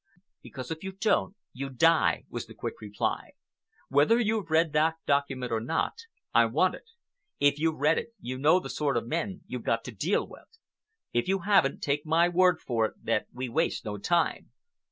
"Because if you don't, you die," was the quick reply. "Whether you've read that document or not, I want it. If you've read it, you know the sort of men you've got to deal with. If you haven't, take my word for it that we waste no time.